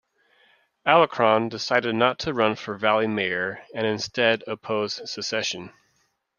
Alarcon decided not to run for Valley mayor, and instead opposed secession.